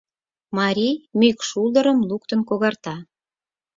Марий мӱкш шулдырым луктын когарта.